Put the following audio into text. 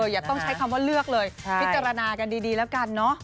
อย่าต้องใช้คำว่าเลือกเลยพิจารณากันดีแล้วกันเนอะ